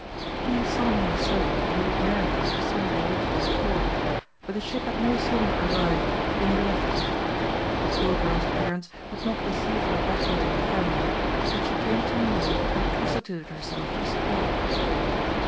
He solemnly asserted that he would marry her as soon as they reached their port, but the ship had no sooner arrived than he left her. The poor girl's parents would not receive her back into their family, and she came to New York and prostituted herself for support.